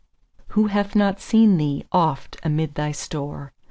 Who hath not seen thee oft amid thy store?